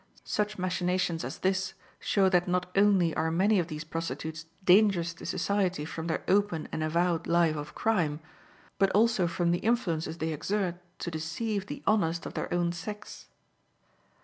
Such machinations as this show that not only are many of these prostitutes dangerous to society from their open and avowed life of crime, but also from the influences they exert to deceive the honest of their own sex.